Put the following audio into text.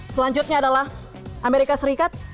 selanjutnya adalah amerika serikat